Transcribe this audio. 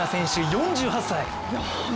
４８歳！